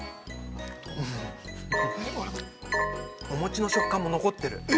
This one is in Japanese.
お餅の食感も残ってる。